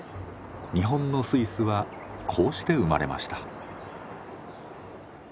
日本のスイスはこうして生まれました。